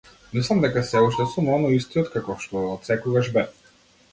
Мислам дека сѐ уште сум оној истиот каков што отсекогаш бев.